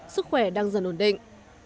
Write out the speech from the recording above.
sức khỏe đang dần ổn định